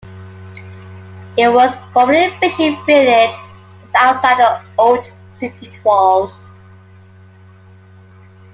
It was formerly a fishing village, just outside the old city walls.